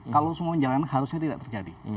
kalau semuanya jalan harusnya tidak terjadi